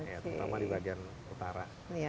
terutama di bagian utara